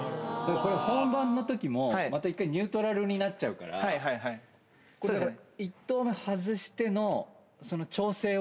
これ、本番のときも、また１回、ニュートラルになっちゃうから、１投目外しての、その調整を。